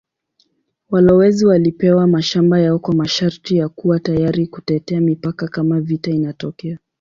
Walowezi walipewa mashamba yao kwa masharti ya kuwa tayari kutetea mipaka kama vita inatokea.